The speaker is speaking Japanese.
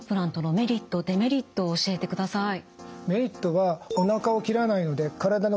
デメリットを教えてください。